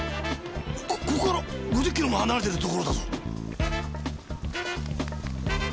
ここから５０キロも離れてるところだぞ！